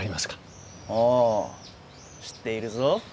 ああ知っているぞ。